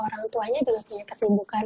orang tuanya juga punya kesibukan